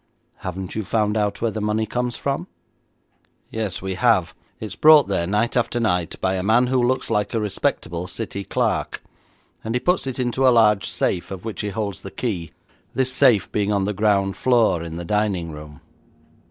'Haven't you found out where the money comes from?' 'Yes, we have; it is brought there night after night by a man who looks like a respectable city clerk, and he puts it into a large safe, of which he holds the key, this safe being on the ground floor, in the dining room.'